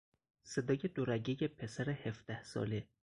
صدای دو رگهی پسر هفده ساله